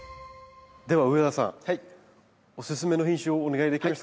では上田さんオススメの品種をお願いできますか？